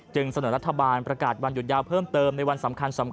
เสนอรัฐบาลประกาศวันหยุดยาวเพิ่มเติมในวันสำคัญ